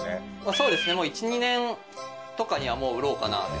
そうですね１２年とかにはもう売ろうかなって。